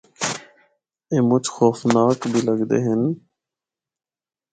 اے مُچ خوفناک بھی لگدے ہن۔